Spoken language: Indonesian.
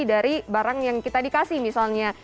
dari barang yang kita dikasih misalnya